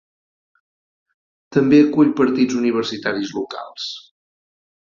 També acull partits universitaris locals.